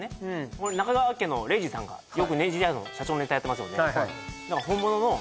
これ中川家の礼二さんがよくネジ屋の社長ネタやってますよね